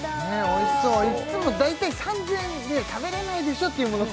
おいしそういつも大体３０００円で食べれないでしょっていうもの